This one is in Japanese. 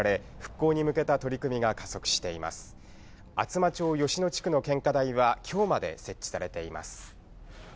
厚真町吉野地区の献花台は今日まで設置されています。